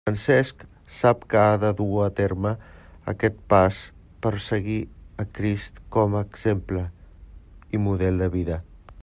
Francesc sap que ha de dur a terme aquest pas per seguir a Crist com a exemple i model de vida.